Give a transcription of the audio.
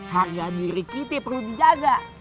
harga diri kita perlu dijaga